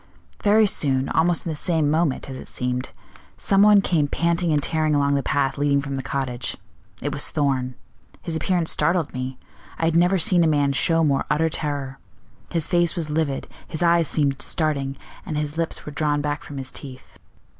"Very soon, almost in the same moment, as it seemed, some one came panting and tearing along the path leading from the cottage. It was Thorn. His appearance startled me: I had never seen a man show more utter terror. His face was livid, his eyes seemed starting, and his lips were drawn back from his teeth.